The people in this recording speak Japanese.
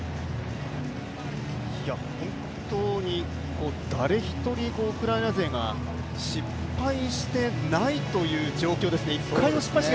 本当に誰一人ウクライナ勢が失敗してないという状況ですね。